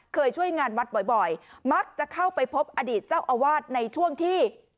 ช่วยงานวัดบ่อยมักจะเข้าไปพบอดีตเจ้าอาวาสในช่วงที่